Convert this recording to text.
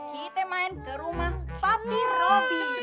kita main ke rumah papi robi